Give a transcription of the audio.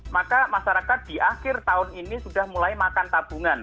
maka masyarakat di akhir tahun ini sudah mulai makan tabungan